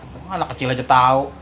kok anak kecil aja tau